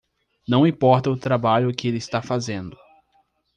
Não importa o trabalho que ele está fazendo